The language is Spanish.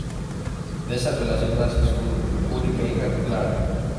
De esa relación nace su única hija, Clara.